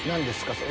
それ。